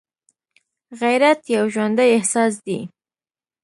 غیرت یو ژوندی احساس دی